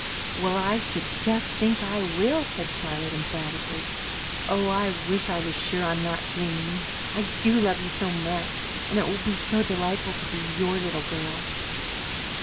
"Well, I should just think I will!" said Charlotte emphatically. "Oh, I wish I was sure I'm not dreaming. I do love you so much, and it will be so delightful to be your little girl."